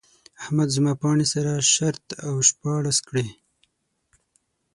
احمد زما پاڼې سره شرت او شپاړس کړې.